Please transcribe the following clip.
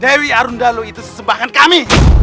dewi arundalu itu sesempahkan kami